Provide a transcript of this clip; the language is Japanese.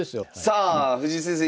さあ藤井先生